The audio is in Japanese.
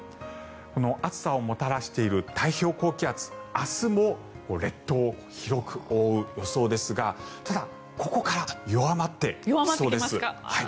この暑さをもたらしている太平洋高気圧明日も列島を広く覆う予想ですがただ、ここから弱まってきそうです。